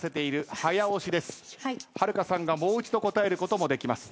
はるかさんがもう一度答えることもできます。